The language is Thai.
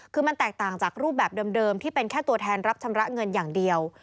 คือมันแตกต่างจากรูปแบบเดิมที่เป็นแค่ตัวแทนรับชำระเงินอย่างเดียว